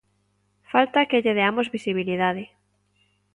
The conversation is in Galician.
Falta que lle deamos visibilidade.